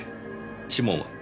指紋は？